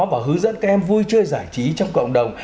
và hướng dẫn các em vui chơi giải trí trong cộng đồng